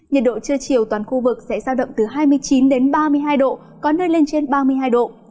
nhiệt độ trưa chiều toàn khu vực sẽ giao động từ hai mươi chín đến ba mươi hai độ có nơi lên trên ba mươi hai độ